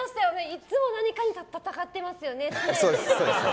いつも何かと戦ってますよね。